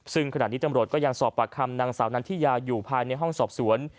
ซึ่งขณะนี้ตำรวจก็ยังสอบปากคำนางสาวนันทิยาอยู่ภายในห้องสอบสวน